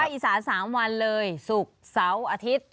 อีสาน๓วันเลยศุกร์เสาร์อาทิตย์